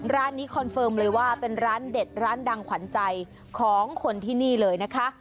ร้านนี้คอนเฟิร์มเลยว่าเป็นร้านเด็ดร้านดังขวัญใจของคนที่นี่เลยนะคะ